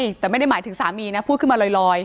ใช่แต่ไม่ได้หมายถึงสามีนะพูดขึ้นมาลอย